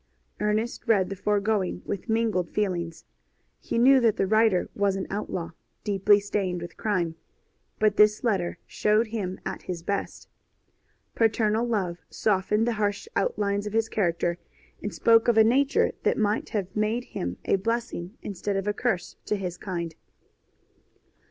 Ernest read the foregoing with mingled feelings. He knew that the writer was an outlaw, deeply stained with crime; but this letter showed him at his best. Paternal love softened the harsh outlines of his character, and spoke of a nature that might have made him a blessing instead of a curse to his kind.